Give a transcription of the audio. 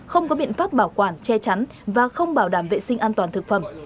không có biện pháp bảo quản che chắn và không bảo đảm vệ sinh an toàn thực phẩm